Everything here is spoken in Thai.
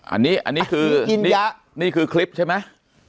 อันนี้อันนี้คือนี่คือคลิปใช่ไหม